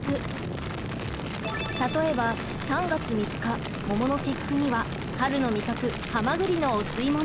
例えば３月３日桃の節句には春の味覚はまぐりのお吸い物。